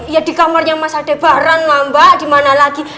ya di kamarnya mas adebaran nambah dimana lagi